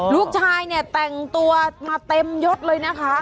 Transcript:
ลูกชายเนี่ยแต่งตัวมาเต็มยดเลยนะคะ